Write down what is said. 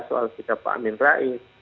soal sikap pak amin rais